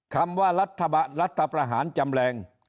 คำว่ารัฐประหารจำแรง